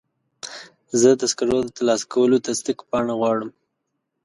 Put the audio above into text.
زه د سکرو د ترلاسه کولو تصدیق پاڼه غواړم.